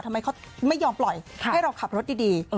ทำไมเขาไม่ยอมปล่อยให้เราขับรถดี